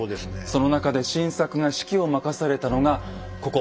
その中で晋作が指揮を任されたのがここ。